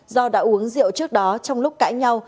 do đã uống rượu trước đó trong lúc cãi nhau